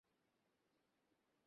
আপনারও, বস!